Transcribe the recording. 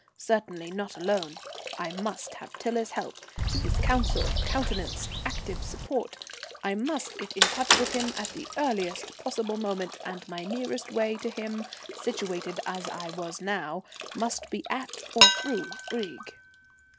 Certainly not alone. I must have Tiler's help, his counsel, countenance, active support. I must get in touch with him at the earliest possible moment and my nearest way to him, situated as I was now, must be at or through Brieg.